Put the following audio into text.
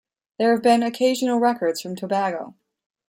There have been occasional records from Tobago.